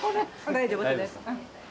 大丈夫ですうん。